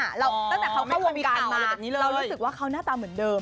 ตั้งแต่เขาเข้าวงการมาเรารู้สึกว่าเขาหน้าตาเหมือนเดิม